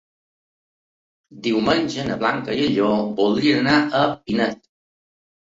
Diumenge na Blanca i en Lleó voldrien anar a Pinet.